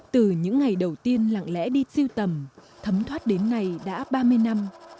từ những ngày đầu tiên lặng lẽ đi siêu tầm thấm thoát đến nay đã ba mươi năm